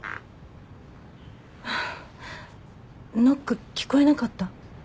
ノック聞こえなかった？